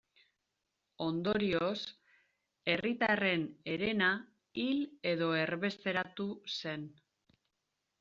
Ondorioz, herritarren herena hil edo erbesteratu zen.